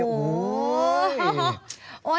โอ้โห